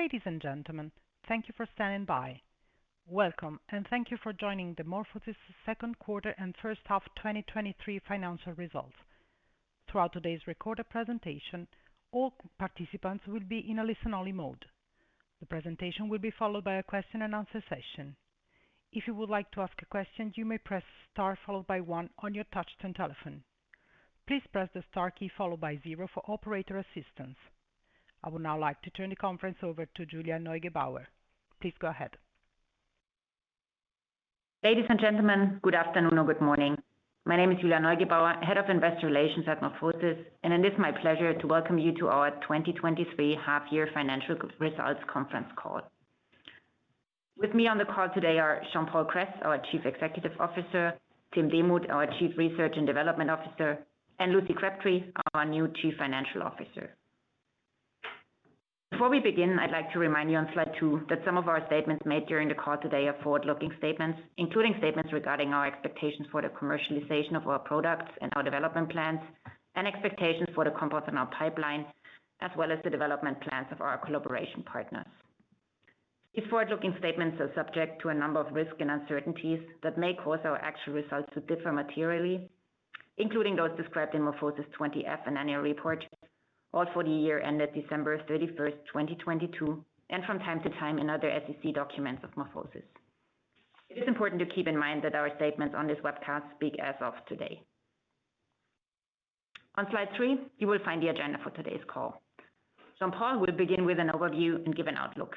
Ladies and gentlemen, thank you for standing by. Welcome, and thank you for joining the MorphoSys Q2 and H1 2023 financial results. Throughout today's recorded presentation, all participants will be in a listen-only mode. The presentation will be followed by a question and answer session. If you would like to ask a question, you may press star followed by one on your touchtone telephone. Please press the star key followed by zero for operator assistance. I would now like to turn the conference over to Julia Neugebauer. Please go ahead. Ladies and gentlemen, good afternoon or good morning. My name is Julia Neugebauer, Head of Investor Relations at MorphoSys, and it is my pleasure to welcome you to our 2023 half year financial results conference call. With me on the call today are Jean-Paul Kress, our CEO, Tim Demuth, our Chief Research and Development Officer, and Lucinda Crabtree, our new CFO. Before we begin, I'd like to remind you on slide two, that some of our statements made during the call today are forward-looking statements, including statements regarding our expectations for the commercialization of our products and our development plans, and expectations for the compounds in our pipeline, as well as the development plans of our collaboration partners. These forward-looking statements are subject to a number of risks and uncertainties that may cause our actual results to differ materially, including those described in MorphoSys 20 F and Annual Report, all for the year ended 31st December 2022, and from time to time in other SEC documents of MorphoSys. It is important to keep in mind that our statements on this webcast speak as of today. On slide three, you will find the agenda for today's call. Jean-Paul will begin with an overview and give an outlook.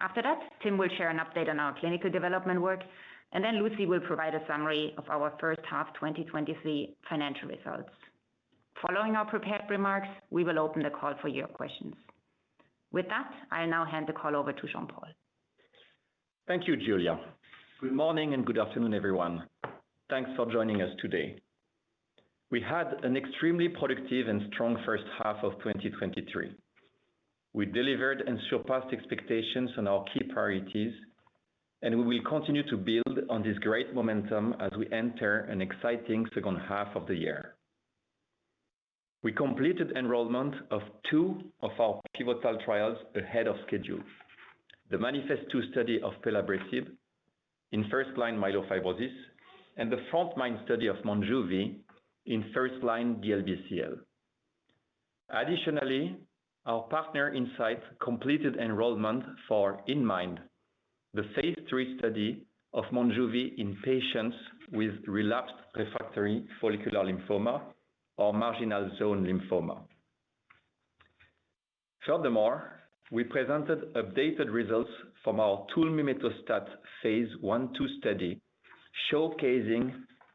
After that, Tim will share an update on our clinical development work, and then Lucy will provide a summary of our H1 2023 financial results. Following our prepared remarks, we will open the call for your questions. With that, I now hand the call over to Jean-Paul. Thank you, Julia. Good morning and good afternoon, everyone. Thanks for joining us today. We had an extremely productive and strong H1 of 2023. We delivered and surpassed expectations on our key priorities, and we will continue to build on this great momentum as we enter an exciting H2 of the year. We completed enrollment of two of our pivotal trials ahead of schedule: the MANIFEST-2 study of Pelabresib in first-line myelofibrosis, and the frontMIND study of Monjuvi in first-line DLBCL. Additionally, our partner Incyte completed enrollment for inMIND, the phase III study of Monjuvi in patients with relapsed refractory follicular lymphoma or marginal zone lymphoma. Furthermore, we presented updated results from our Tulmimetostat phase 1/2 study, showcasing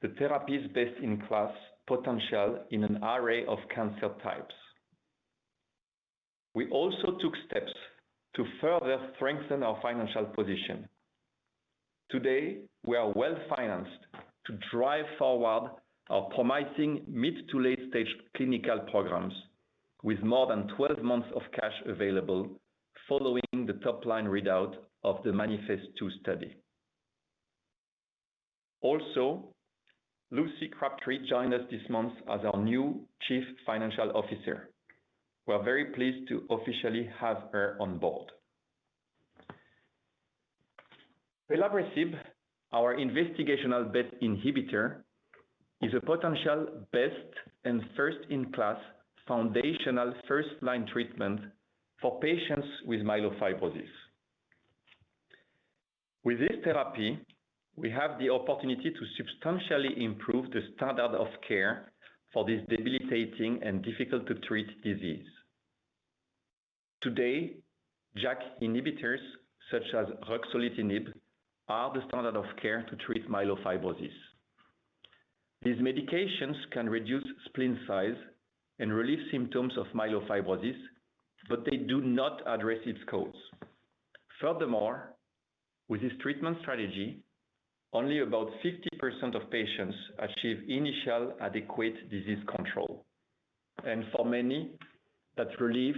the therapy's best-in-class potential in an array of cancer types. We also took steps to further strengthen our financial position. Today, we are well-financed to drive forward our promising mid to late-stage clinical programs with more than 12 months of cash available following the top-line readout of the MANIFEST-2 study. Lucy Crabtree joined us this month as our new CFO. We are very pleased to officially have her on board. Pelabresib, our investigational BET inhibitor, is a potential best and first-in-class foundational first-line treatment for patients with myelofibrosis. With this therapy, we have the opportunity to substantially improve the standard of care for this debilitating and difficult-to-treat disease. Today, JAK inhibitors, such as Ruxolitinib, are the standard of care to treat myelofibrosis. These medications can reduce spleen size and relieve symptoms of myelofibrosis, but they do not address its cause. Furthermore, with this treatment strategy, only about 50% of patients achieve initial adequate disease control, and for many, that relief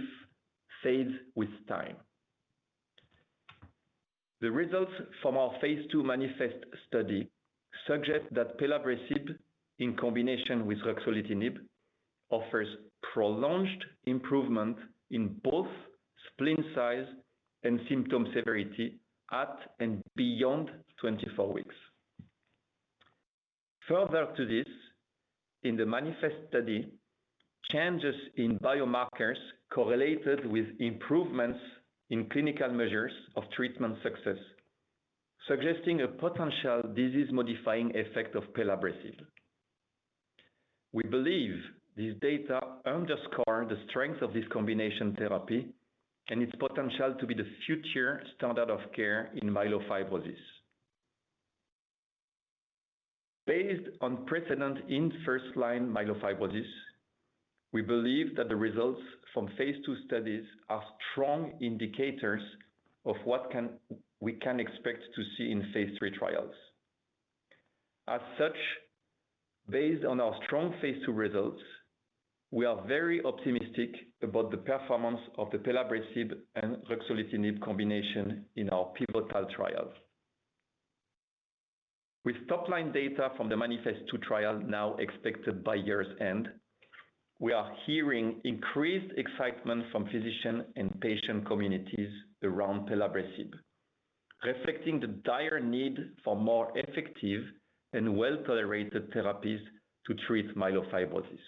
fades with time. The results from our phase II MANIFEST study suggest that Pelabresib, in combination with Ruxolitinib, offers prolonged improvement in both spleen size and symptom severity at and beyond 24 weeks. Further to this, in the MANIFEST study, changes in biomarkers correlated with improvements in clinical measures of treatment success, suggesting a potential disease-modifying effect of Pelabresib. We believe these data underscore the strength of this combination therapy and its potential to be the future standard of care in myelofibrosis. Based on precedent in first-line myelofibrosis, we believe that the results from phase II studies are strong indicators of what we can expect to see in phase III trials. As such, based on our strong phase II results, we are very optimistic about the performance of the Pelabresib and Ruxolitinib combination in our pivotal trials.... With top-line data from the MANIFEST-2 trial now expected by year-end, we are hearing increased excitement from physician and patient communities around Pelabresib, reflecting the dire need for more effective and well-tolerated therapies to treat myelofibrosis.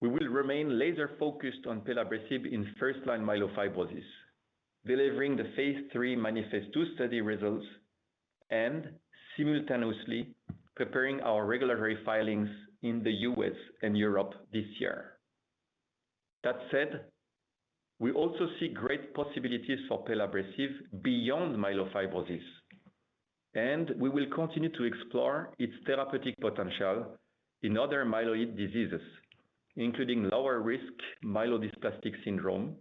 We will remain laser-focused on Pelabresib in first-line myelofibrosis, delivering the phase III MANIFEST-2 study results, and simultaneously preparing our regulatory filings in the US and Europe this year. That said, we also see great possibilities for Pelabresib beyond myelofibrosis, and we will continue to explore its therapeutic potential in other myeloid diseases, including lower risk myelodysplastic syndrome,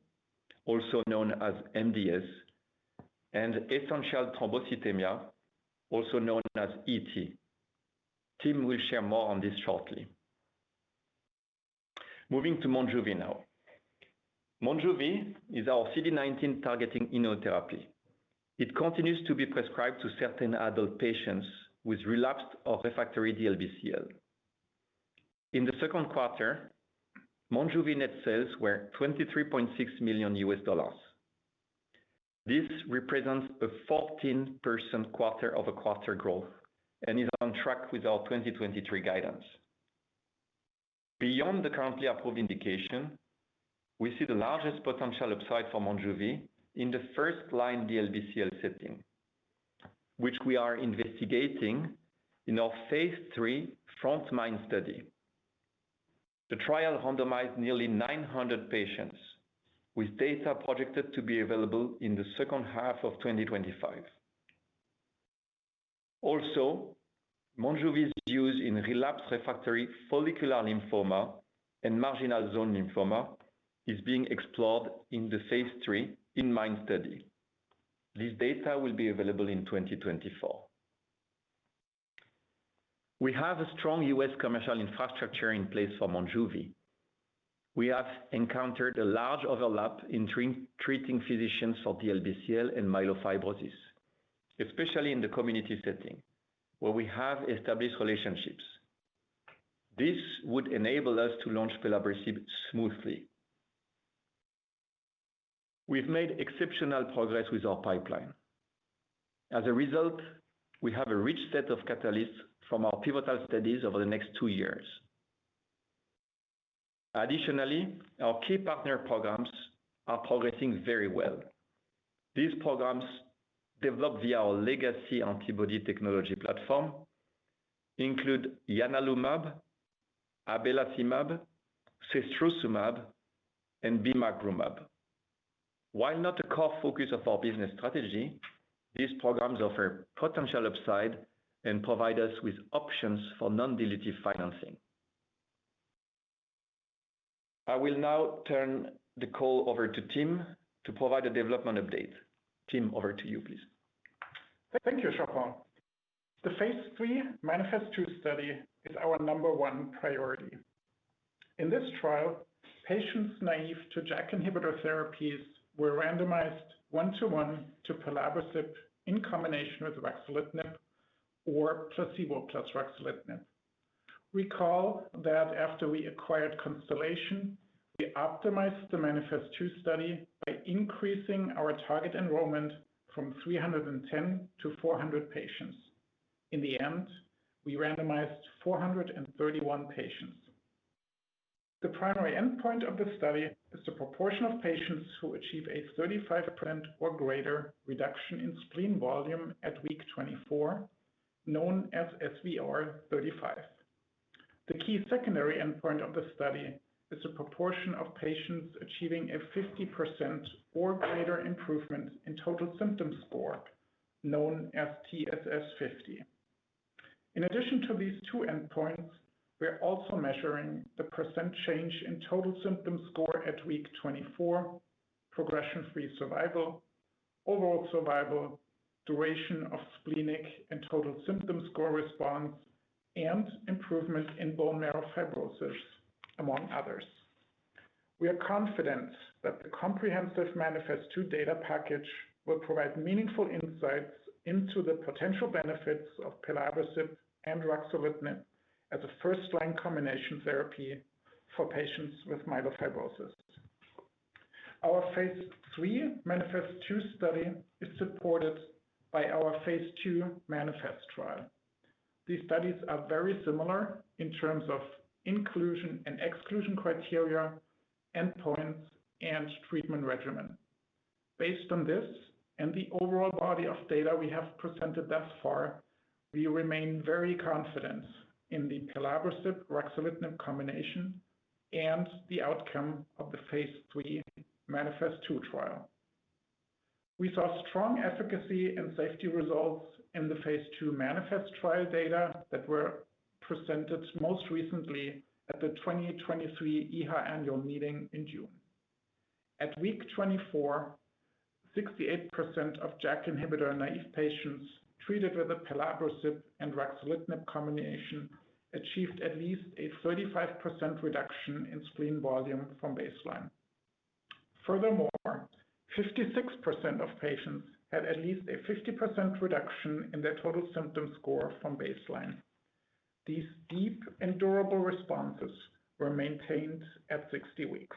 also known as MDS, and essential thrombocythemia, also known as ET. Tim will share more on this shortly. Moving to Monjuvi now. Monjuvi is our CD19-targeting immunotherapy. It continues to be prescribed to certain adult patients with relapsed or refractory DLBCL. In the Q2, Monjuvi net sales were $23.6 million. This represents a 14% quarter-over-quarter growth and is on track with our 2023 guidance. Beyond the currently approved indication, we see the largest potential upside for Monjuvi in the first-line DLBCL setting, which we are investigating in our phase III Frontline study. The trial randomized nearly 900 patients, with data projected to be available in the H2 of 2025. Monjuvi's use in relapsed refractory follicular lymphoma and marginal zone lymphoma is being explored in the phase III InMind study. This data will be available in 2024. We have a strong US commercial infrastructure in place for Monjuvi. We have encountered a large overlap in treating physicians for DLBCL and myelofibrosis, especially in the community setting, where we have established relationships. This would enable us to launch Pelabresib smoothly. We've made exceptional progress with our pipeline. As a result, we have a rich set of catalysts from our pivotal studies over the next two years. Additionally, our key partner programs are progressing very well. These programs, developed via our legacy antibody technology platform, include Ianalumab, Abelacimab, Ciriprisumab, and Bimagrumab. While not a core focus of our business strategy, these programs offer potential upside and provide us with options for non-dilutive financing. I will now turn the call over to Tim to provide a development update. Tim, over to you, please. Thank you, Jean-Paul. The phase III MANIFEST-2 study is our number one priority. In this trial, patients naive to JAK inhibitor therapies were randomized 1:1 to Pelabresib in combination with Ruxolitinib or placebo plus Ruxolitinib. Recall that after we acquired Constellation, we optimized the MANIFEST-2 study by increasing our target enrollment from 310 to 400 patients. In the end, we randomized 431 patients. The primary endpoint of the study is the proportion of patients who achieve a 35% or greater reduction in spleen volume at week 24, known as SVR35. The key secondary endpoint of the study is the proportion of patients achieving a 50% or greater improvement in total symptom score, known as TSS50. In addition to these two endpoints, we are also measuring the % change in total symptom score at week 24, progression-free survival, overall survival, duration of splenic and total symptom score response, and improvement in bone marrow fibrosis, among others. We are confident that the comprehensive MANIFEST-2 data package will provide meaningful insights into the potential benefits of Pelabresib and Ruxolitinib as a first-line combination therapy for patients with myelofibrosis. Our phase III MANIFEST-2 study is supported by our phase II MANIFEST trial. These studies are very similar in terms of inclusion and exclusion criteria, endpoints, and treatment regimen. Based on this and the overall body of data we have presented thus far, we remain very confident in the Pelabresib/Ruxolitinib combination and the outcome of the phase III MANIFEST-2 trial. We saw strong efficacy and safety results in the phase II MANIFEST trial data that were presented most recently at the 2023 EHA annual meeting in June. At week 24, 68% of JAK inhibitor-naive patients treated with a Pelabresib and Ruxolitinib combination achieved at least a 35% reduction in spleen volume from baseline. Furthermore, 56% of patients had at least a 50% reduction in their total symptom score from baseline. These deep and durable responses were maintained at 60 weeks.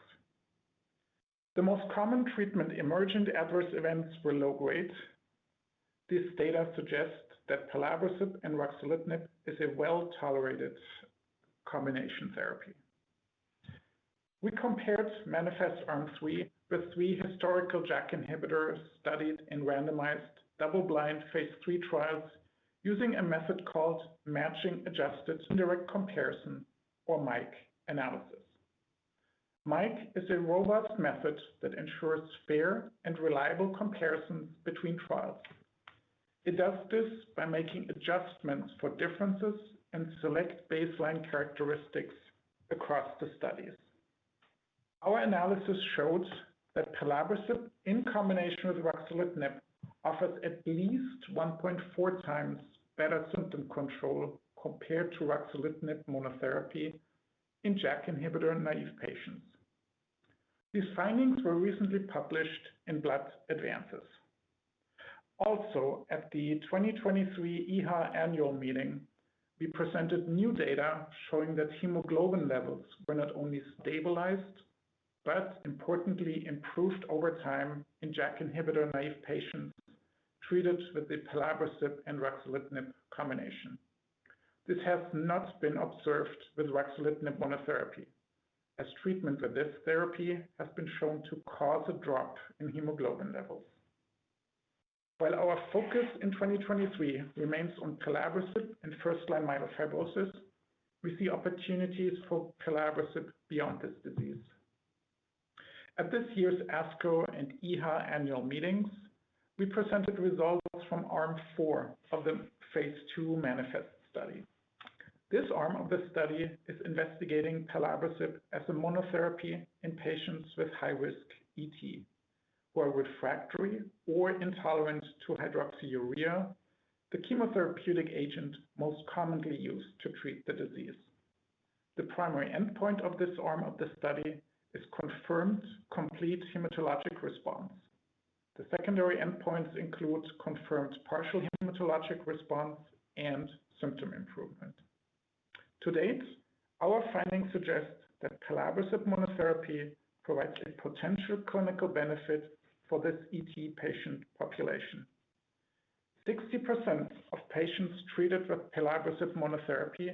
The most common treatment emergent adverse events were low grade. This data suggests that Pelabresib and Ruxolitinib is a well-tolerated combination therapy. We compared MANIFEST Arm 3 with 3 historical JAK inhibitors studied in randomized double-blind phase III trials, using a method called Matching-Adjusted Direct Comparison, or MADC analysis. MADC is a robust method that ensures fair and reliable comparisons between trials. It does this by making adjustments for differences in select baseline characteristics across the studies. Our analysis shows that Pelabresib, in combination with Ruxolitinib, offers at least 1.4x better symptom control compared to Ruxolitinib monotherapy in JAK inhibitor-naive patients. These findings were recently published in Blood Advances. Also, at the 2023 EHA Annual Meeting, we presented new data showing that hemoglobin levels were not only stabilized, but importantly improved over time in JAK inhibitor-naive patients treated with the Pelabresib and Ruxolitinib combination. This has not been observed with Ruxolitinib monotherapy, as treatment with this therapy has been shown to cause a drop in hemoglobin levels. While our focus in 2023 remains on Pelabresib in first-line myelofibrosis, we see opportunities for Pelabresib beyond this disease. At this year's ASCO and EHA annual meetings, we presented results from Arm 4of the phase II MANIFEST study. This Arm of the study is investigating Pelabresib as a monotherapy in patients with high-risk ET, who are refractory or intolerant to hydroxyurea, the chemotherapeutic agent most commonly used to treat the disease. The primary endpoint of this Arm of the study is confirmed complete hematologic response. The secondary endpoints include confirmed partial hematologic response and symptom improvement. To date, our findings suggest that Pelabresib monotherapy provides a potential clinical benefit for this ET patient population. 60% of patients treated with Pelabresib monotherapy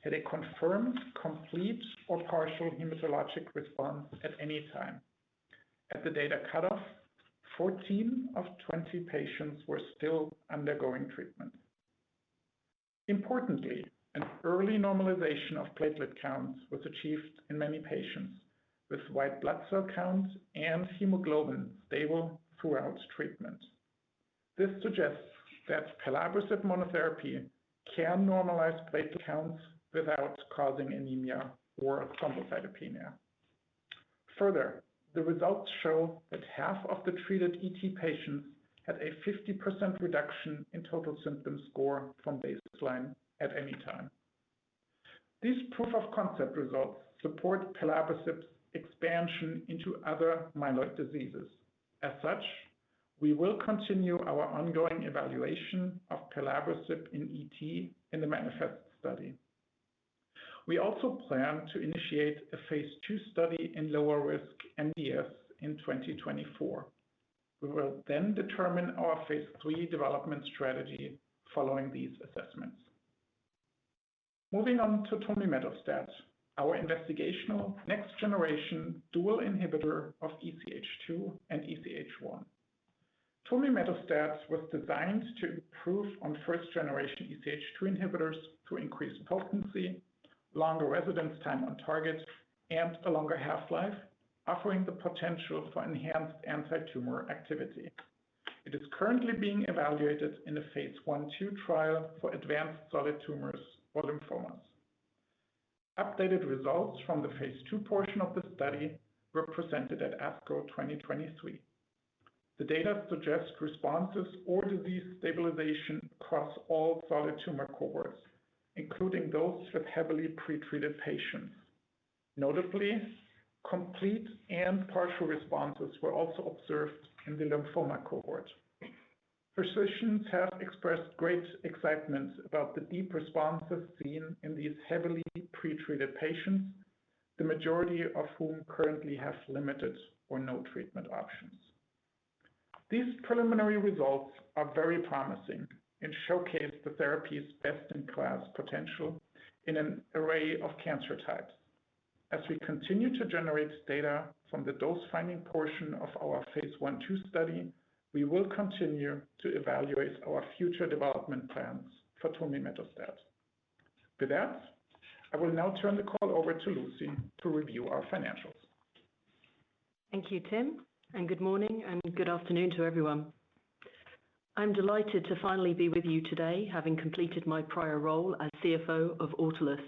had a confirmed complete or partial hematologic response at any time. At the data cutoff, 14 of 20 patients were still undergoing treatment. Importantly, an early normalization of platelet counts was achieved in many patients, with white blood cell counts and hemoglobin stable throughout treatment. This suggests that Pelabresib monotherapy can normalize platelet counts without causing anemia or thrombocytopenia. Further, the results show that half of the treated ET patients had a 50% reduction in total symptom score from baseline at any time. These proof of concept results support Pelabresib's expansion into other myeloid diseases. As such, we will continue our ongoing evaluation of Pelabresib in ET in the MANIFEST study. We also plan to initiate a phase II study in lower risk MDS in 2024. We will then determine our phase III development strategy following these assessments. Moving on to tulmimetostat, our investigational next generation dual inhibitor of EZH2 and EZH1. tulmimetostat was designed to improve on first generation EZH2 inhibitors to increase potency, longer residence time on target, and a longer half-life, offering the potential for enhanced antitumor activity. It is currently being evaluated in a phase 1/2 trial for advanced solid tumors or lymphomas. Updated results from the phase II portion of the study were presented at ASCO 2023. The data suggests responses or disease stabilization across all solid tumor cohorts, including those with heavily pre-treated patients. Notably, complete and partial responses were also observed in the lymphoma cohort. Physicians have expressed great excitement about the deep responses seen in these heavily pre-treated patients, the majority of whom currently have limited or no treatment options. These preliminary results are very promising and showcase the therapy's best-in-class potential in an array of cancer types. As we continue to generate data from the dose-finding portion of our phase 1/2 study, we will continue to evaluate our future development plans for tulmimetostat. With that, I will now turn the call over to Lucy to review our financials. Thank you, Tim. Good morning and good afternoon to everyone. I'm delighted to finally be with you today, having completed my prior role as CFO of Autolus Therapeutics.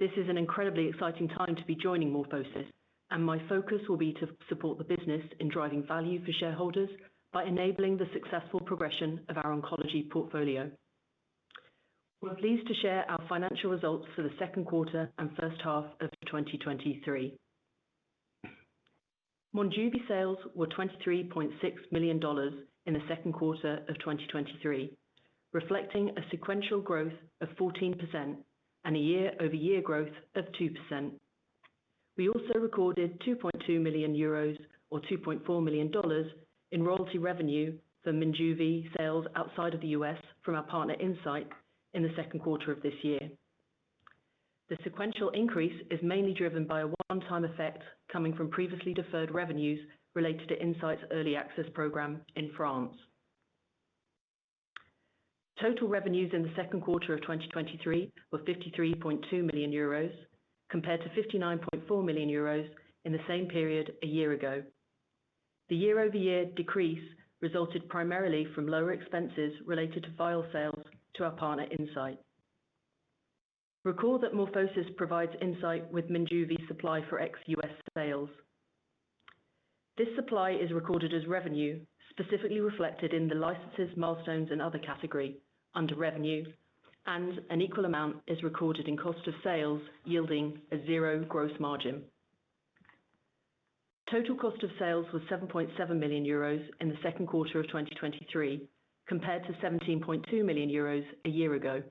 This is an incredibly exciting time to be joining MorphoSys, and my focus will be to support the business in driving value for shareholders by enabling the successful progression of our oncology portfolio. We're pleased to share our financial results for the Q2 and H1 of 2023. Monjuvi sales were $23.6 million in the Q2 of 2023, reflecting a sequential growth of 14% and a year-over-year growth of 2%. We also recorded 2.2 million euros or $2.4 million in royalty revenue from Monjuvi sales outside of the U.S. from our partner, Incyte, in the Q2 of this year. The sequential increase is mainly driven by a one-time effect coming from previously deferred revenues related to Incyte's early access program in France. Total revenues in the Q2 of 2023 were 53.2 million euros, compared to 59.4 million euros in the same period a year ago. The year-over-year decrease resulted primarily from lower expenses related to file sales to our partner, Incyte. Recall that MorphoSys provides Incyte with Monjuvi supply for ex-US sales. This supply is recorded as revenue, specifically reflected in the licenses, milestones, and other category under revenue, and an equal amount is recorded in cost of sales, yielding a 0 gross margin. Total cost of sales was 7.7 million euros in the Q2 of 2023, compared to 17.2 million euros a year ago.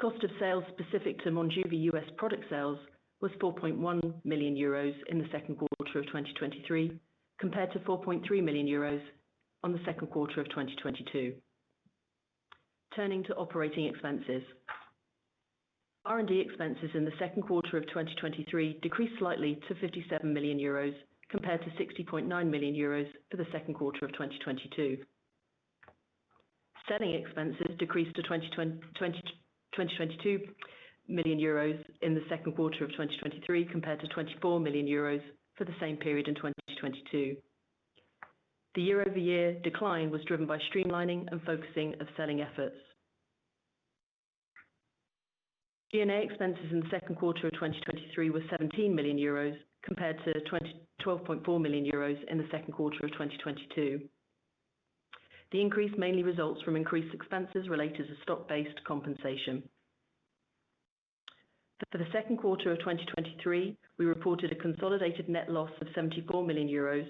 Cost of sales specific to Monjuvi U.S. product sales was 4.1 million euros in the Q2 of 2023, compared to 4.3 million euros on the Q2 of 2022. Turning to operating expenses. R&D expenses in the Q2 of 2023 decreased slightly to 57 million euros, compared to 60.9 million euros for the Q2 of 2022. Selling expenses decreased to 22 million euros in the Q2 of 2023, compared to 24 million euros for the same period in 2022. The year-over-year decline was driven by streamlining and focusing of selling efforts. G&A expenses in the Q2 of 2023 were 17 million euros, compared to 12.4 million euros in the Q2 of 2022. The increase mainly results from increased expenses related to stock-based compensation. For the Q2 of 2023, we reported a consolidated net loss of 74 million euros,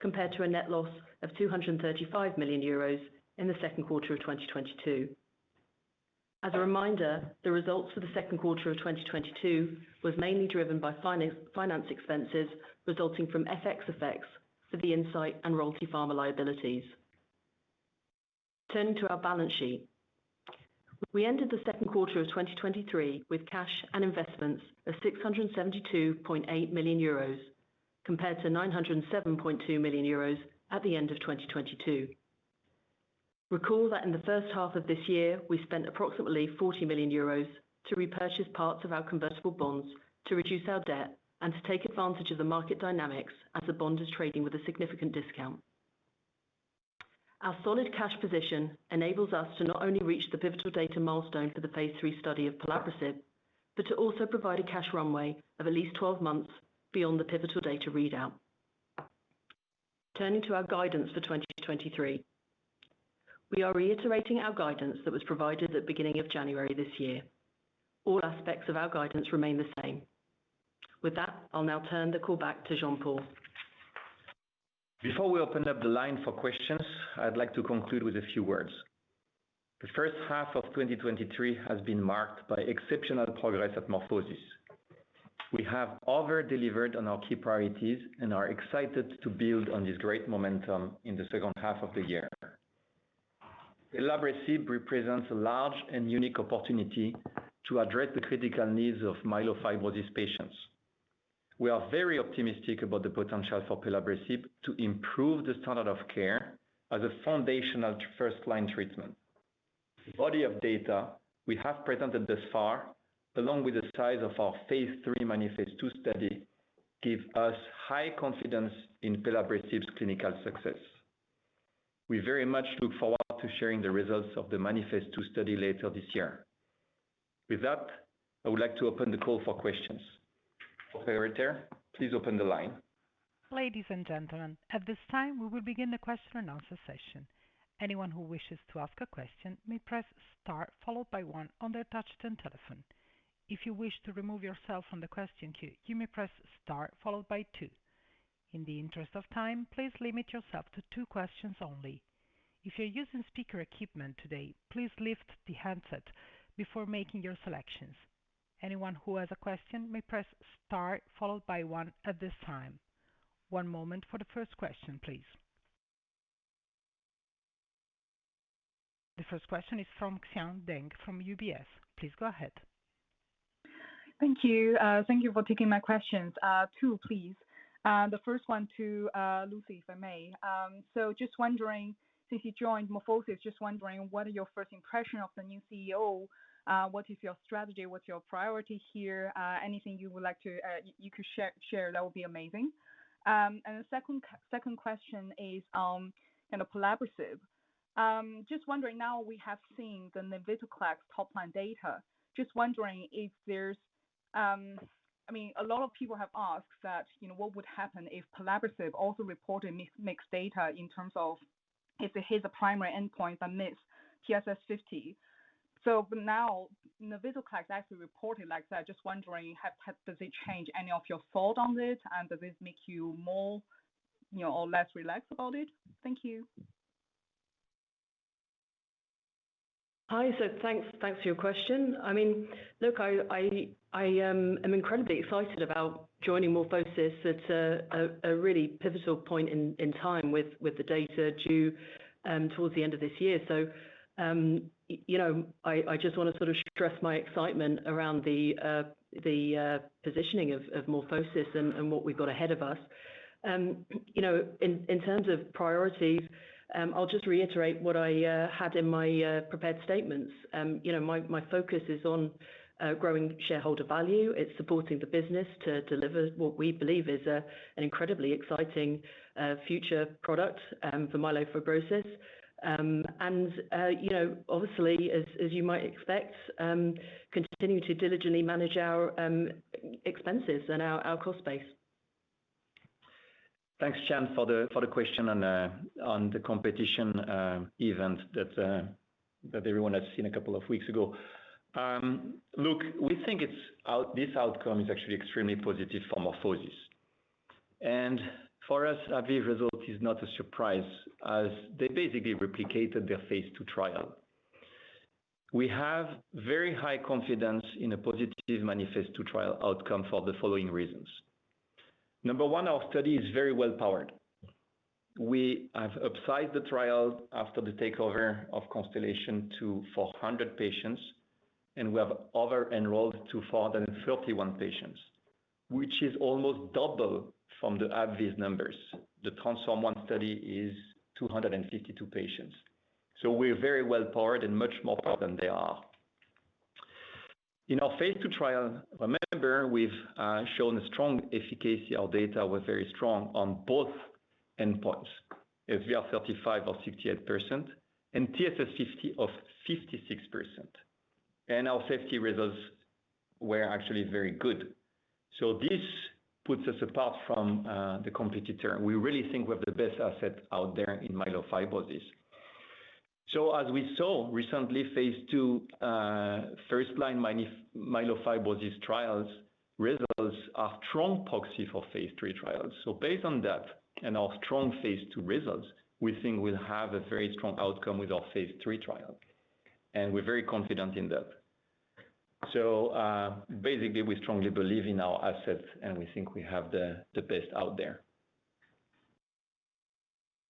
compared to a net loss of 235 million euros in the Q2 of 2022. As a reminder, the results for the Q2 of 2022 was mainly driven by finance expenses resulting from FX effects for the Incyte and Royalty Pharma liabilities. Turning to our balance sheet. We ended the Q2 of 2023 with cash and investments of 672.8 million euros, compared to 907.2 million euros at the end of 2022. Recall that in the H1 of this year, we spent approximately 40 million euros to repurchase parts of our convertible bonds to reduce our debt and to take advantage of the market dynamics as the bond is trading with a significant discount. Our solid cash position enables us to not only reach the pivotal data milestone for the phase III study of Pelabresib, but to also provide a cash runway of at least 12 months beyond the pivotal data readout. Turning to our guidance for 2023. We are reiterating our guidance that was provided at beginning of January this year. All aspects of our guidance remain the same. With that, I'll now turn the call back to Jean-Paul. Before we open up the line for questions, I'd like to conclude with a few words. The H1 of 2023 has been marked by exceptional progress at MorphoSys. We have over-delivered on our key priorities and are excited to build on this great momentum in the H2 of the year. Pelabresib represents a large and unique opportunity to address the critical needs of myelofibrosis patients. We are very optimistic about the potential for Pelabresib to improve the standard of care as a foundational first-line treatment. The body of data we have presented thus far, along with the size of our phase III, MANIFEST-2 study, give us high confidence in Pelabresib's clinical success. We very much look forward to sharing the results of the MANIFEST-2 study later this year. With that, I would like to open the call for questions. Operator, please open the line. Ladies and gentlemen, at this time, we will begin the question and answer session. Anyone who wishes to ask a question may press Star, followed by One on their touchtone telephone. If you wish to remove yourself from the question queue, you may press Star followed by Two. In the interest of time, please limit yourself to two questions only. If you're using speaker equipment today, please lift the handset before making your selections. Anyone who has a question may press Star followed by One at this time. One moment for the first question, please. The first question is from Xian Deng, from UBS. Please go ahead. Thank you. Thank you for taking my questions. Two, please. The first one to Lucy, if I may. So just wondering, since you joined MorphoSys, just wondering, what are your first impression of the new CEO? What is your strategy? What's your priority here? Anything you would like to... you, you could share, share, that would be amazing. The second, second question is, on Pelabresib. Just wondering, now we have seen the nivolumab top line data. Just wondering if there's- I mean, a lot of people have asked that, you know, what would happen if navitoclax also reported mixed data in terms of if it hit the primary endpoint but missed TSS50? But now, you know, navitoclax actually reported like that. Just wondering, how does it change any of your thought on this, and does this make you more, you know, or less relaxed about it? Thank you. Hi, thanks, thanks for your question. I mean, look, I, I, I am incredibly excited about joining MorphoSys at a really pivotal point in time with the data due towards the end of this year. You know, I, I just wanna sort of stress my excitement around the positioning of MorphoSys and what we've got ahead of us. You know, in terms of priorities, I'll just reiterate what I had in my prepared statements. You know, my focus is on growing shareholder value. It's supporting the business to deliver what we believe is an incredibly exciting future product for myelofibrosis. You know, obviously, as you might expect, continue to diligently manage our expenses and our cost base. Thanks, Chan, for the, for the question on, on the competition, event that, that everyone has seen a couple of weeks ago. Look, we think this outcome is actually extremely positive for MorphoSys. For us, AbbVie result is not a surprise, as they basically replicated their phase II trial. We have very high confidence in a positive MANIFEST trial outcome for the following reasons. Number one, our study is very well powered. We have upsized the trial after the takeover of Constellation to 400 patients, and we have over enrolled to 431 patients, which is almost double from the AbbVie's numbers. The TRANSFORM-1 study is 252 patients. We're very well powered and much more power than they are. In our phase II trial, remember, we've shown a strong efficacy. Our data was very strong on both endpoints. SVR35 or 68%, TSS50 of 56%. Our safety results were actually very good. This puts us apart from the competitor, and we really think we have the best asset out there in myelofibrosis. As we saw recently, phase II first line myelofibrosis trials, results are strong proxy for phase III trials. Based on that and our strong phase II results, we think we'll have a very strong outcome with our phase III trial, and we're very confident in that. Basically, we strongly believe in our assets, and we think we have the best out there.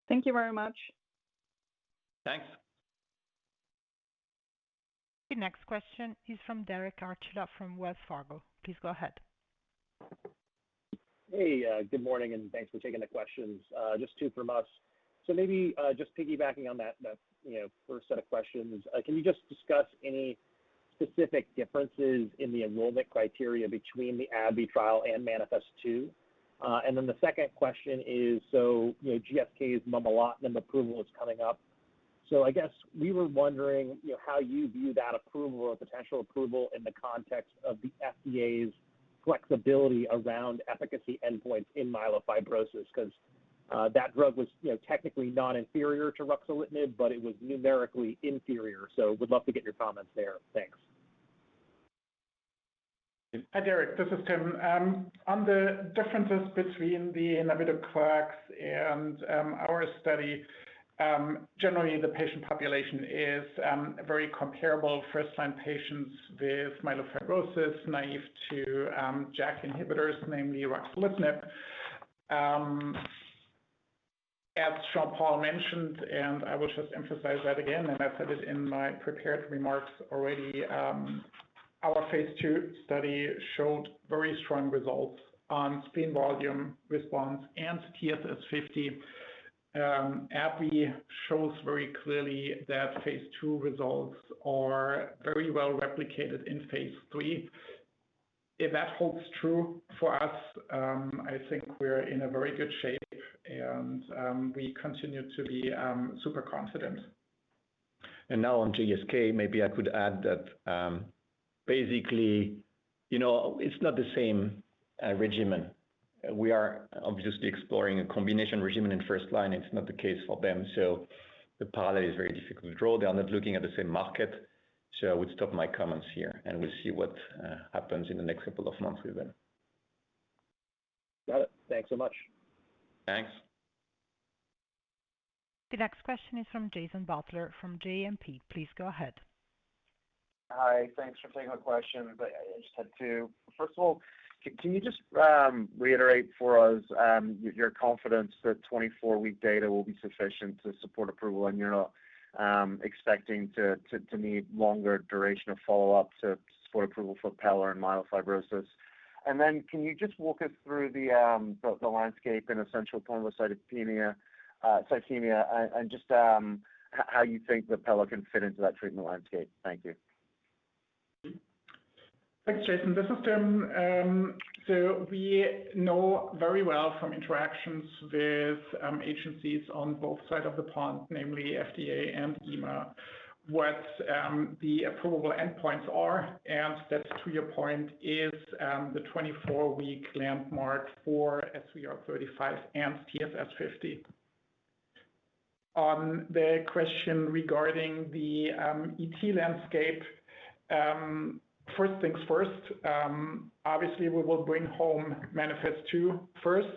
Thank you very much. Thanks. The next question is from Derek Archila from Wells Fargo. Please go ahead. Hey, good morning, and thanks for taking the questions. Just two from us. Maybe, just piggybacking on that, that, you know, first set of questions, can you just discuss any specific differences in the enrollment criteria between the AbbVie trial and MANIFEST-2? The second question is, you know, GSK's momelotinib approval is coming up. I guess we were wondering, you know, how you view that approval or potential approval in the context of the FDA's flexibility around efficacy endpoints in myelofibrosis, 'cause that drug was, you know, technically non-inferior to ruxolitinib, but it was numerically inferior. Would love to get your comments there. Thanks. Hi, Derek, this is Tim. On the differences between the navitoclax and our study, generally the patient population is very comparable. First-line patients with myelofibrosis, naive to JAK inhibitors, namely ruxolitinib. As Jean-Paul mentioned, and I will just emphasize that again, and I said it in my prepared remarks already, our phase II study showed very strong results on spleen volume response and TSS50. AbbVie shows very clearly that phase II results are very well replicated in phase III. If that holds true for us, I think we're in a very good shape, and we continue to be super confident. Now on GSK, maybe I could add that, basically, you know, it's not the same, regimen. We are obviously exploring a combination regimen in first line. It's not the case for them, so the parallel is very difficult to draw. They are not looking at the same market, so I would stop my comments here, and we'll see what happens in the next couple of months with them. Got it. Thanks so much. Thanks. The next question is from Jason Butler from JMP. Please go ahead. Hi, thanks for taking my question. I just had two. First of all, can you just reiterate for us your confidence that 24-week data will be sufficient to support approval, and you're not expecting to need longer duration of follow-up to support approval for Pelara and myelofibrosis? Then can you just walk us through the landscape in essential thrombocythemia, -thalassemia, and just how you think the Pelara can fit into that treatment landscape? Thank you. Thanks, Jason. This is Tim.... So we know very well from interactions with agencies on both sides of the pond, namely FDA and EMA, what the approval endpoints are, and that, to your point, is the 24-week landmark for SVR35 and TSS50. On the question regarding the ET landscape, first things first, obviously we will bring home MANIFEST-2 first.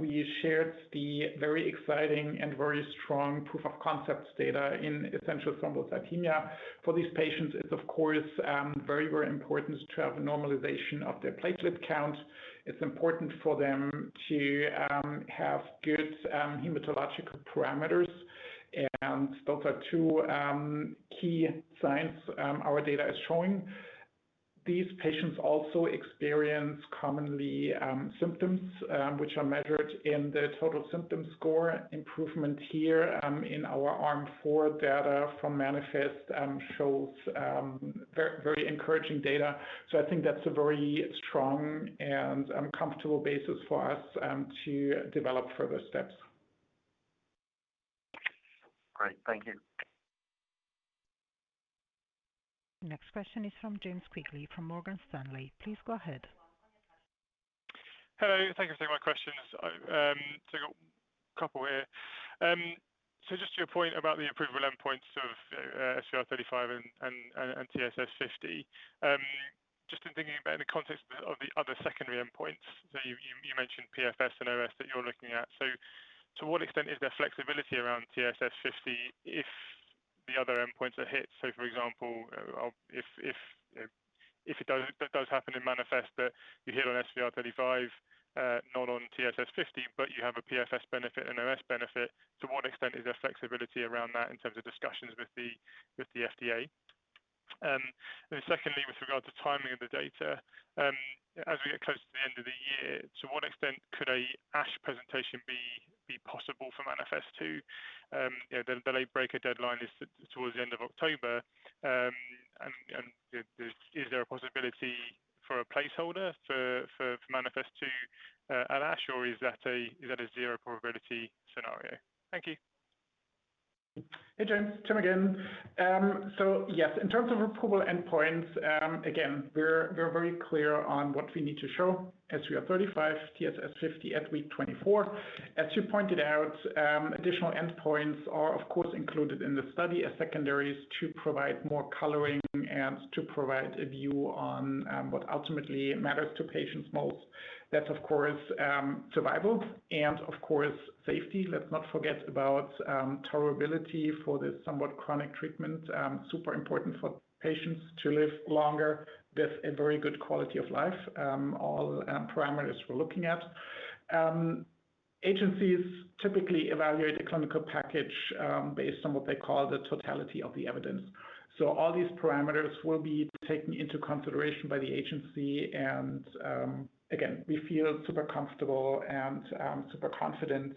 We shared the very exciting and very strong proof of concepts data in essential thrombocythemia. For these patients, it's of course, very, very important to have a normalization of their platelet count. It's important for them to have good hematological parameters, and those are two key signs our data is showing. These patients also experience commonly symptoms, which are measured in the total symptom score. Improvement here, in our Arm 4 data from MANIFEST, shows very, very encouraging data. I think that's a very strong and comfortable basis for us to develop further steps. Great. Thank you. Next question is from James Quigley, from Morgan Stanley. Please go ahead. Hello, thank you for taking my questions. I, I got a couple here. Just to your point about the approval endpoints of SVR35 and, and, and TSS50, just in thinking about in the context of the other secondary endpoints, you, you, you mentioned PFS and OS that you're looking at. To what extent is there flexibility around TSS50 if the other endpoints are hit? For example, if, if, if, if it does, does happen in Manifest that you hit on SVR35, not on TSS50, but you have a PFS benefit and OS benefit, to what extent is there flexibility around that in terms of discussions with the, with the FDA? Secondly, with regard to timing of the data, as we get close to the end of the year, to what extent could a ASH presentation be possible for MANIFEST-2? You know, the late breaker deadline is towards the end of October. Is there a possibility for a placeholder for MANIFEST-2 at ASH, or is that a zero probability scenario? Thank you. Hey, James. Tim again. So yes, in terms of approval endpoints, again, we're, we're very clear on what we need to show SVR35, TSS50 at week 24. As you pointed out, additional endpoints are, of course, included in the study as secondaries to provide more coloring and to provide a view on, what ultimately matters to patients most. That's, of course, survival and, of course, safety. Let's not forget about, tolerability for this somewhat chronic treatment. Super important for patients to live longer with a very good quality of life, all, parameters we're looking at. Agencies typically evaluate a clinical package, based on what they call the totality of the evidence. All these parameters will be taken into consideration by the agency, and again, we feel super comfortable and super confident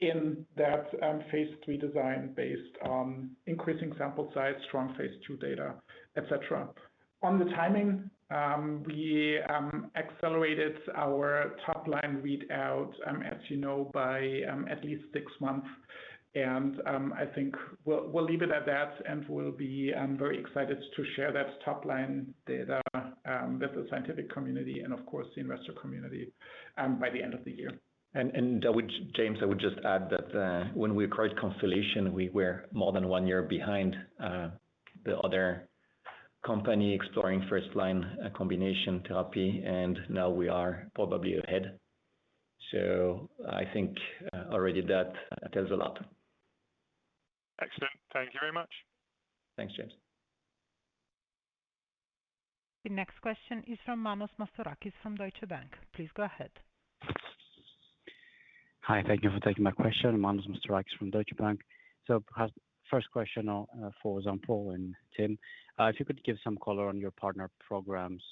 in that phase III design based on increasing sample size, strong phase II data, et cetera. The timing, we accelerated our top-line read out, as you know, by at least six months, and I think we'll, we'll leave it at that, and we'll be very excited to share that top-line data with the scientific community and, of course, the investor community by the end of the year. Which, James, I would just add that, when we acquired Constellation, we were more than one year behind, the other company exploring first-line, combination therapy, and now we are probably ahead. I think, already that tells a lot. Excellent. Thank you very much. Thanks, James. The next question is from Manos Mastorakis, from Deutsche Bank. Please go up ahead. Hi, thank you for taking my question. Manos Mastorakis from Deutsche Bank. Perhaps first question, for Jean-Paul and Tim. If you could give some color on your partner programs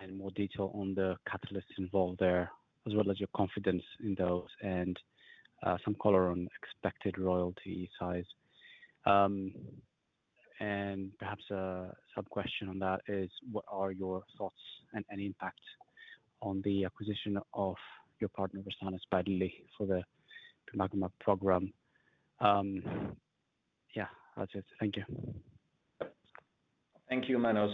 and more detail on the catalysts involved there, as well as your confidence in those, and, some color on expected royalty size. Perhaps a subquestion on that is, what are your thoughts and any impact on the acquisition of your partner Versanis uncertain for the Bimagrumab program? Yeah, that's it. Thank you. Thank you, Manos.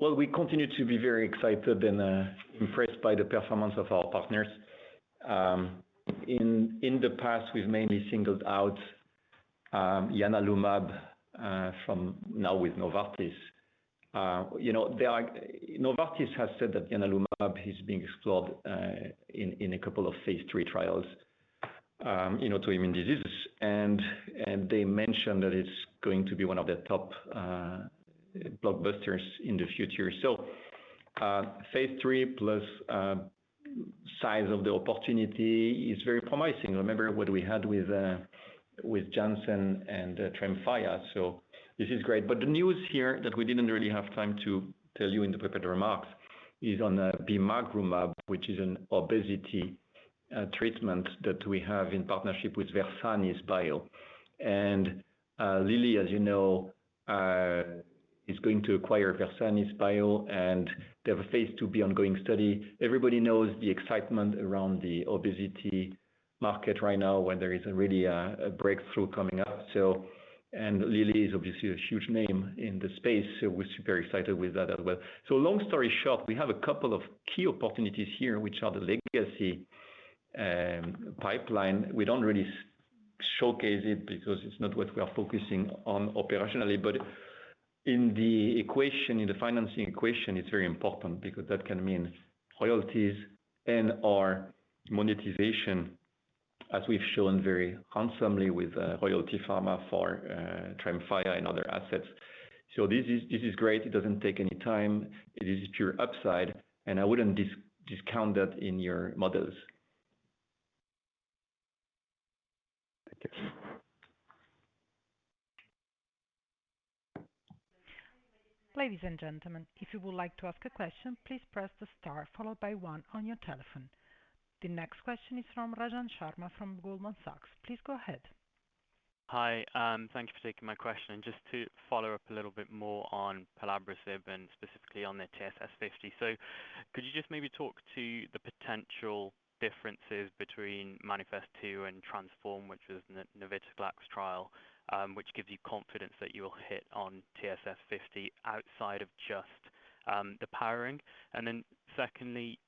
Well, we continue to be very excited and impressed by the performance of our partners. In, in the past, we've mainly singled out Ianalumab from now with Novartis. You know, they are-- Novartis has said that Ianalumab is being explored in a couple of phase III trials, you know, to immune diseases. They mentioned that it's going to be one of their top blockbusters in the future. phase III plus, size of the opportunity is very promising. Remember what we had with Janssen and Tremfya. This is great. The news here that we didn't really have time to tell you in the prepared remarks is on Bimagrumab, which is an obesity-... treatment that we have in partnership with Versanis Bio. Lilly, as you know, is going to acquire Versanis Bio, and they have a phase 2b ongoing study. Everybody knows the excitement around the obesity market right now, when there is really a breakthrough coming up. Lilly is obviously a huge name in this space, so we're super excited with that as well. Long story short, we have a couple of key opportunities here, which are the legacy pipeline. We don't really showcase it because it's not what we are focusing on operationally, but in the equation, in the financing equation, it's very important because that can mean royalties and/or monetization, as we've shown very handsomely with Royalty Pharma for Triamcinolone and other assets. This is, this is great. It doesn't take any time. It is pure upside, and I wouldn't discount that in your models. Ladies and gentlemen, if you would like to ask a question, please press the star followed by one on your telephone. The next question is from Rajan Sharma from Goldman Sachs. Please go ahead. Hi, thank you for taking my question. Just to follow up a little bit more on Pelabresib and specifically on the TSS50. Could you just maybe talk to the potential differences between MANIFEST-2 and TRANSFORM, which was a navitoclax trial, which gives you confidence that you will hit on TSS50 outside of just the powering? Secondly,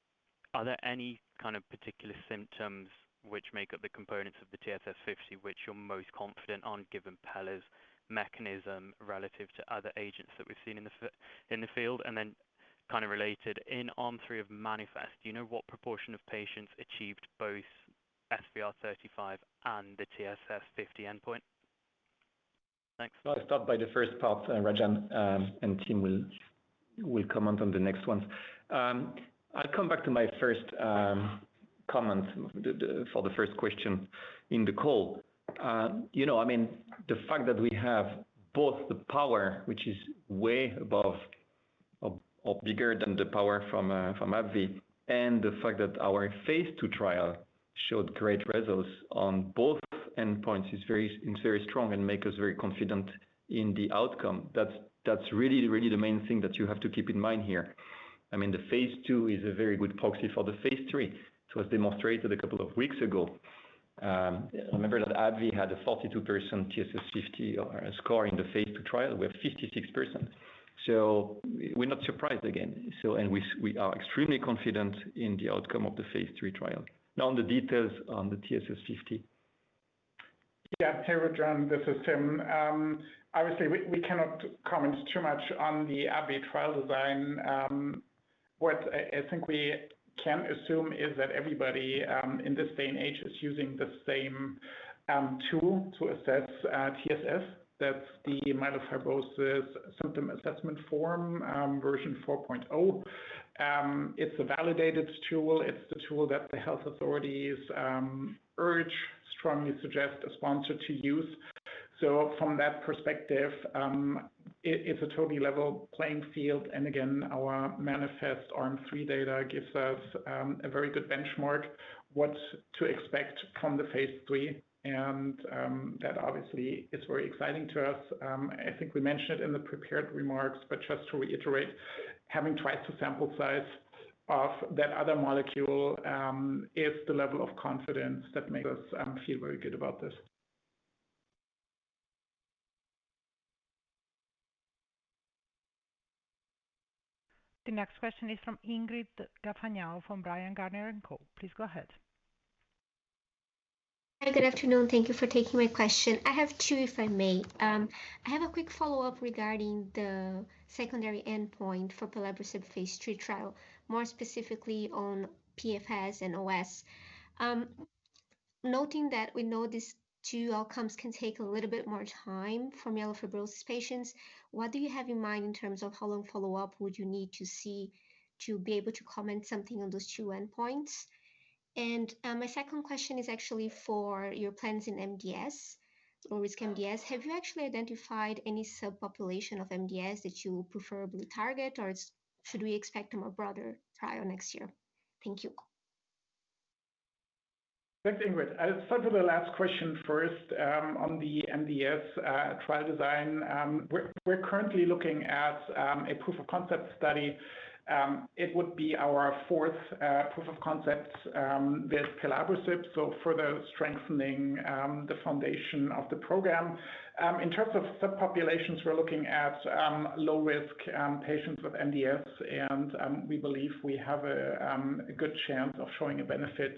are there any kind of particular symptoms which make up the components of the TSS50, which you're most confident on, given Pela's mechanism relative to other agents that we've seen in the field? Related, in Arm 3 of MANIFEST, do you know what proportion of patients achieved both SVR35 and the TSS50 endpoint? Thanks. Well, I'll start by the first part, Rajan, and Tim will comment on the next ones. I'll come back to my first comment for the first question in the call. You know, I mean, the fact that we have both the power, which is way above or bigger than the power from AbbVie, and the fact that our phase II trial showed great results on both endpoints, it's very strong and make us very confident in the outcome. That's really, really the main thing that you have to keep in mind here. I mean, the phase II is a very good proxy for the phase III. It was demonstrated a couple of weeks ago. Remember that AbbVie had a 42% TSS50 score in the phase II trial, with 56%. We're not surprised again. We, we are extremely confident in the outcome of the phase III trial. On the details on the TSS50. Yeah, hey, Rajan, this is Tim. Obviously, we, we cannot comment too much on the AbbVie trial design. What I, I think we can assume is that everybody, in this day and age is using the same, tool to assess, TSS. That's the myelofibrosis Symptom Assessment Form, version 4.0. It's a validated tool. It's the tool that the health authorities, urge, strongly suggest a sponsor to use. So from that perspective, it's a totally level playing field, and again, our MANIFEST Arm 3 data gives us, a very good benchmark, what to expect from the phase III, and, that obviously is very exciting to us. I think we mentioned it in the prepared remarks, but just to reiterate, having twice the sample size of that other molecule, is the level of confidence that makes us feel very good about this. The next question is from Ingrid Gafanhão from Bryan, Garnier & Co. Please go ahead. Hi, good afternoon. Thank you for taking my question. I have two, if I may. I have a quick follow-up regarding the secondary endpoint for Pelabresib phase III trial, more specifically on PFS and OS. Noting that we know these two outcomes can take a little bit more time for myelofibrosis patients, what do you have in mind in terms of how long follow-up would you need to see to be able to comment something on those two endpoints? My second question is actually for your plans in MDS or risk MDS. Have you actually identified any subpopulation of MDS that you preferably target, or should we expect a more broader trial next year? Thank you. Thanks, Ingrid. I'll start with the last question first, on the MDS, trial design. We're, we're currently looking at, a proof of concept study. It would be our fourth proof of concept, with Pelabresib, so further strengthening the foundation of the program. In terms of subpopulations, we're looking at, low risk, patients with MDS, and, we believe we have a, a good chance of showing a benefit,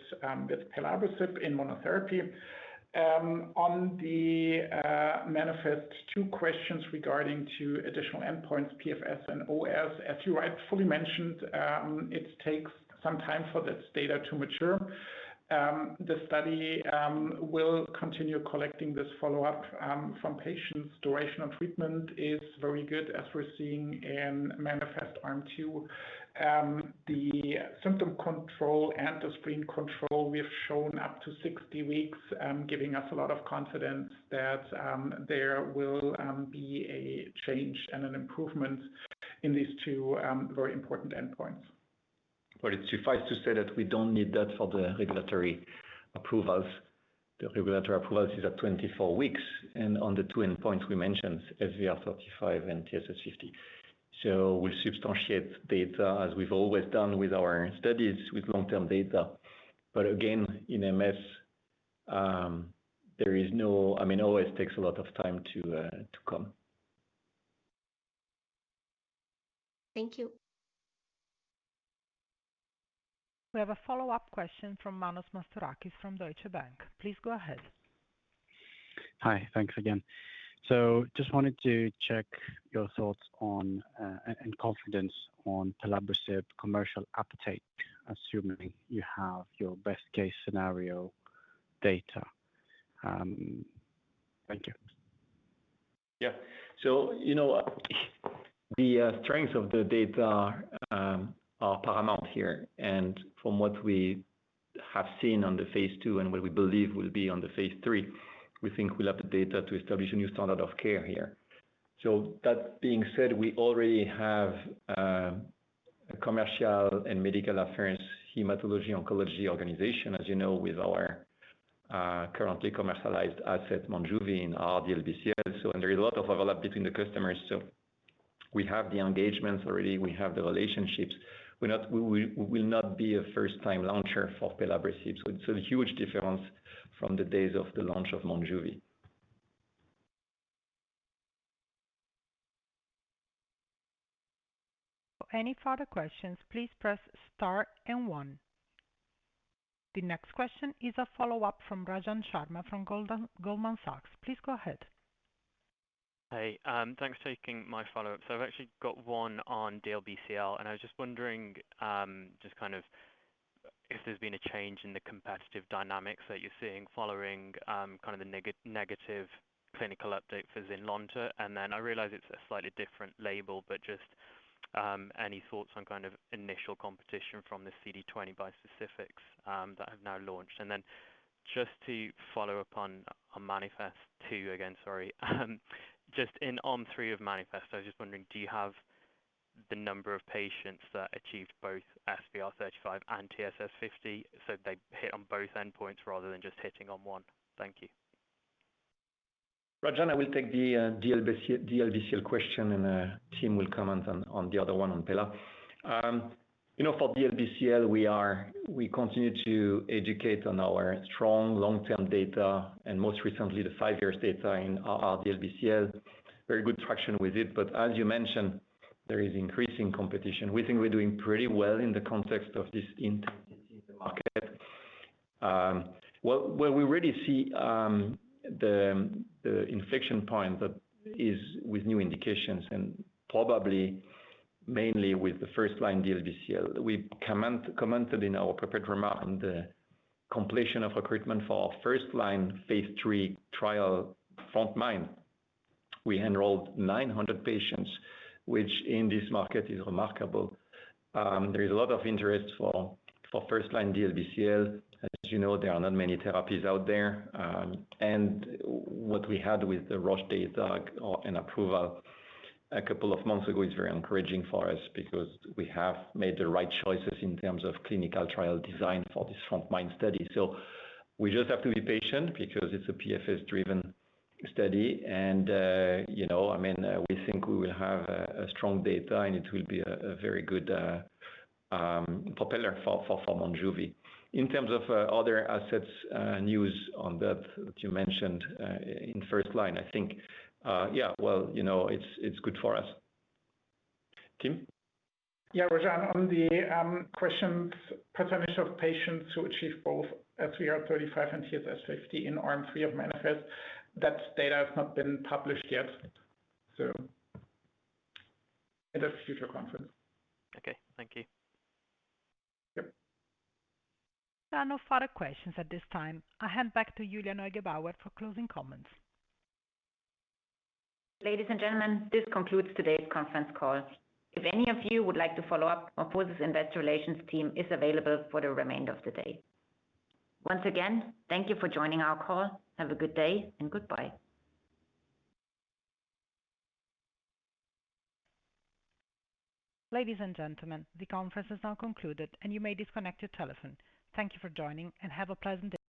with Pelabresib in monotherapy. On the MANIFEST-2 questions regarding two additional endpoints, PFS and OS, as you rightfully mentioned, it takes some time for this data to mature. The study, will continue collecting this follow-up, from patients. Duration of treatment is very good, as we're seeing in MANIFEST Arm 2. The symptom control and the spleen control, we have shown up to 60 weeks, giving us a lot of confidence that there will be a change and an improvement in these two very important endpoints.... Well, it suffice to say that we don't need that for the regulatory approvals. The regulatory approvals is at 24 weeks, and on the two endpoints we mentioned, SVR 35 and TSS 50. We substantiate data as we've always done with our studies, with long-term data. Again, in MS, I mean, it always takes a lot of time to come. Thank you. We have a follow-up question from Manos Mastorakis from Deutsche Bank. Please go ahead. Hi. Thanks again. So just wanted to check your thoughts on, and confidence on Pelabresib commercial appetite, assuming you have your best case scenario data. Thank you. Yeah. So, you know, the strength of the data are paramount here. From what we have seen on the phase II and what we believe will be on the phase III, we think we'll have the data to establish a new standard of care here. That being said, we already have a commercial and medical affairs, hematology oncology organization, as you know, with our currently commercialized asset, Monjuvi, in our DLBCL. There is a lot of overlap between the customers. We have the engagements already, we have the relationships. We're not, we will not be a first-time launcher for pelabresib. It's a huge difference from the days of the launch of Monjuvi. Any further questions, please press star and one. The next question is a follow-up from Rajan Sharma from Goldman Sachs. Please go ahead. Hey, thanks for taking my follow-up. I've actually got one on DLBCL, and I was just wondering, just kind of if there's been a change in the competitive dynamics that you're seeing following, kind of the negative clinical update for Zynlonta. Then I realize it's a slightly different label, but just, any thoughts on kind of initial competition from the CD20 bispecifics, that have now launched? Then just to follow up on, on MANIFEST-2 again, sorry. Just in Arm 3 of MANIFEST, I was just wondering, do you have the number of patients that achieved both SVR35 and TSS50, so they hit on both endpoints rather than just hitting on one? Thank you. Rajan, I will take the DLBCL, DLBCL question, and Tim will comment on the other one, on Pela. You know, for DLBCL, we continue to educate on our strong long-term data and most recently, the five-year data in our DLBCL. Very good traction with it. As you mentioned, there is increasing competition. We think we're doing pretty well in the context of this intensity in the market. Where, where we really see the infection point that is with new indications, and probably mainly with the first-line DLBCL. We commented in our prepared remark on the completion of recruitment for our first line phase III trial frontMIND. We enrolled 900 patients, which in this market is remarkable. There is a lot of interest for firstline DLBCL. As you know, there are not many therapies out there. What we had with the Roche data and approval a couple of months ago is very encouraging for us because we have made the right choices in terms of clinical trial design for this frontMIND study. So we just have to be patient because it's a PFS-driven study. You know, we think we will have a strong data, and it will be a very good propeller for, for, for Monjuvi. In terms of other assets, news on that, which you mentioned in first line, I think, well, you know, it's good for us. Tim? Yeah, Rajan, on the questions, percentage of patients who achieve both SVR35 and TSS50 in Arm three of MANIFEST, that data has not been published yet, so in a future conference. Okay, thank you. Yep. There are no further questions at this time. I hand back to Julia Neugebauer for closing comments. Ladies and gentlemen, this concludes today's conference call. If any of you would like to follow up, MorphoSys' investor relations team is available for the remainder of the day. Once again, thank you for joining our call. Have a good day and goodbye. Ladies and gentlemen, the conference is now concluded, and you may disconnect your telephone. Thank you for joining and have a pleasant day.